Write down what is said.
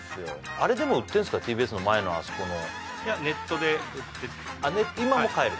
あれでも売ってんすかＴＢＳの前のあそこのいやネットで売って今も買える？